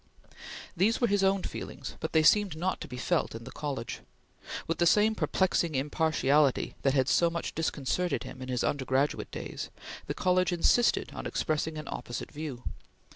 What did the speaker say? These were his own feelings, but they seemed not to be felt in the college. With the same perplexing impartiality that had so much disconcerted him in his undergraduate days, the college insisted on expressing an opposite view.